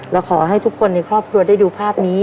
และขอให้ทุกคนในครอบครัวได้ดูภาพนี้